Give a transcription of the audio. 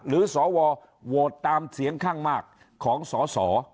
สวโหวตตามเสียงข้างมากของสส